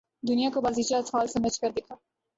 دنیا کو بازیچہ اطفال سمجھ کر دیکھا